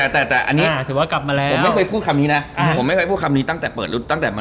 แต่ไม่เคยพูดอนุกไหล